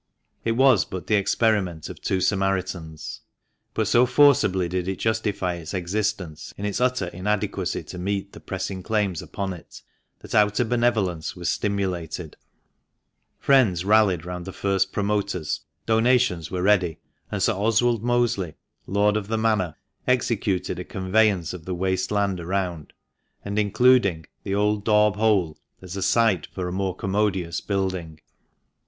It was but the experiment of two Samaritans. But so forcibly did it justify its existence in its utter inadequacy to meet the pressing claims upon it, that outer benevolence was stimulated : friends rallied round the first promoters, donations were ready, and Sir Oswald Mosley, Lord of the Manor, executed a conveyance of the waste land around, and including, the old Daub Hole, as a site for a more commodious building.